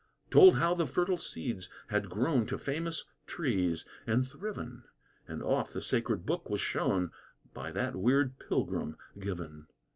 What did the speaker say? Told how the fertile seeds had grown To famous trees, and thriven; And oft the Sacred Book was shown, By that weird Pilgrim given.